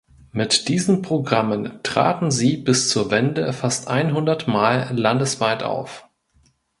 Mit diesen Programmen traten sie bis zur Wende fast einhundert Mal landesweit auf.